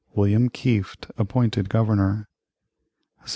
William Kieft appointed Governor 1641.